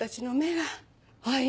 はい。